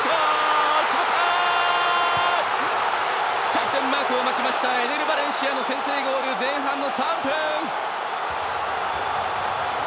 キャプテンマークを巻きましたエネル・バレンシアの先制ゴール、前半の３分。